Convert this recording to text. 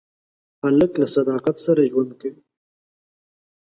هلک له صداقت سره ژوند کوي.